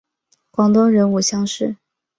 广东壬午乡试。